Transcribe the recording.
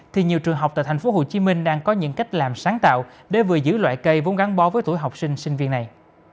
thì nhiều trường học tại tp hcm đang có những cách làm sáng tạo để vừa giữ loại cây vốn gắn bó với tuổi học sinh sinh viên này